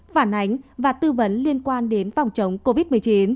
phản ánh và tư vấn liên quan đến phòng chống covid một mươi chín